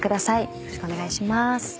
よろしくお願いします。